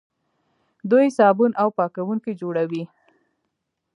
دوی صابون او پاکوونکي جوړوي.